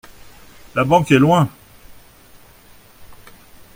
La banque est loin ?